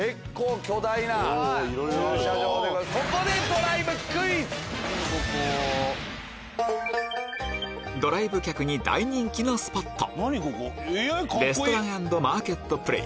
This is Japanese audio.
ドライブ客に大人気のスポット